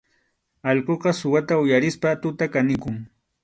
Allquqa suwata uyarispaqa tuta kanikun.